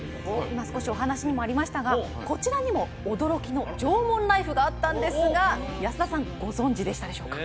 今少しお話にもありましたがこちらにも驚きの縄文ライフがあったんですが安田さんご存じでしたでしょうか？